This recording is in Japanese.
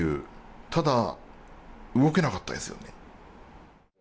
ただ動けなかったですよね。